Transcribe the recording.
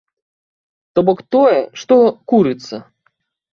То бок тое, што курыцца.